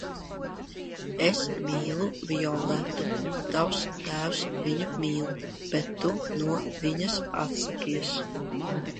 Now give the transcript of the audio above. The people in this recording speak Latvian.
Es mīlu Violetu, tavs tēvs viņu mīl, bet tu no viņas atsakies?